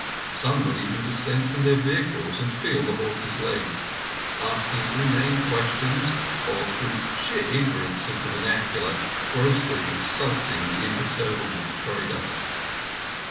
Some would even descend from their vehicles and feel the horses' legs; asking inane questions, or, through sheer ignorance of the vernacular, grossly insulting the imperturbable trader.